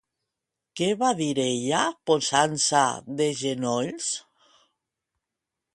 Què va dir ella posant-se de genolls?